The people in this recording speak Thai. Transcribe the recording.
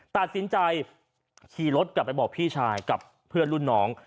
ตัดสินใจขี่รถกลับไปบอกพี่ชายกับเพื่อนรุ่นน้อง